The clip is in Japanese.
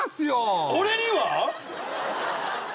俺には！？